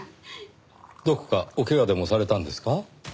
どこかお怪我でもされたんですか？